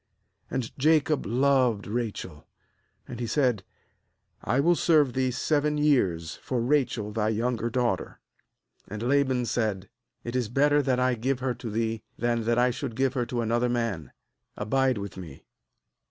18And Jacob loved Rachel; and he said: 'I will serve thee seven years for Rachel thy younger daughter.' 19And Laban said: 'It is better that I give her to thee, than that I should give her to another man; abide with me.'